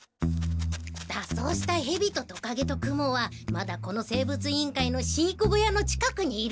だっそうしたヘビとトカゲとクモはまだこの生物委員会の飼育小屋の近くにいると思う。